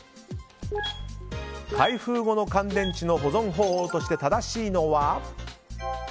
開封後の乾電池の保存方法として正しいのは。